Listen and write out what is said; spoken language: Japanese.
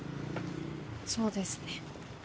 そうですね。